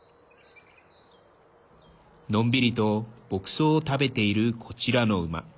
のんびりと牧草を食べているこちらの馬。